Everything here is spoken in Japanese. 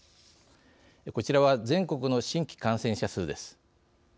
こちらは全国の新規感染者数です。